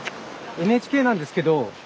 ＮＨＫなんですけど。